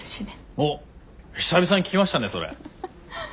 おっ久々に聞きましたねそれ。